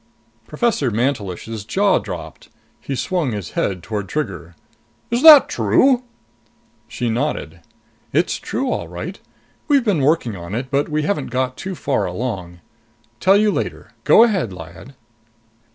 Professor Mantelish's jaw dropped. He swung his head toward Trigger. "Is that true?" She nodded. "It's true, all right. We've been working on it, but we haven't got too far along. Tell you later. Go ahead, Lyad."